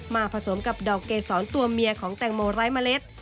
ผสมกับดอกเกษรตัวเมียของแตงโมไร้เมล็ด